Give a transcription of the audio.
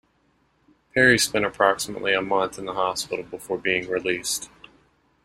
Perry spent approximately a month in the hospital before being released.